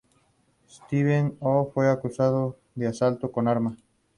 Se estableció en Barcelona, donde ejerció de abogado.